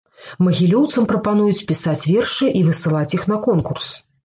Магілёўцам прапануюць пісаць вершы і высылаць іх на конкурс.